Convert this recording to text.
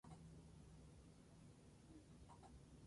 Dicho encuentro fue el primero de Pichi Alonso como entrenador.